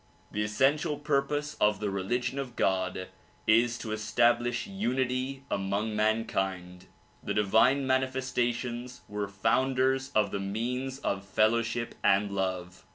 The essential purpose of the religion of God is to establish unity among man kind. The divine manifestations were founders of the means of fellowship and love.